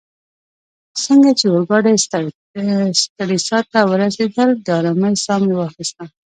څنګه چي اورګاډې سټریسا ته ورسیدل، د آرامۍ ساه مې واخیسته.